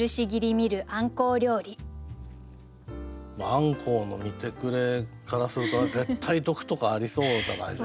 アンコウの見てくれからすると絶対毒とかありそうじゃないですか。